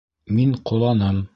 Мин ҡоланым.